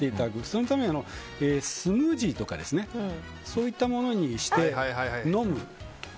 そのためにスムージーとかそういったものにして飲む。